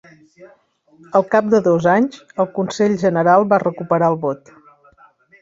Al cap de dos anys, el Consell General va recuperar el vot.